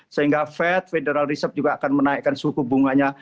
sehingga fed federal reserve juga akan menaikkan suku bunganya